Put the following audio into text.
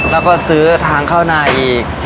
แล้วก็ซื้อทางเข้าในอีก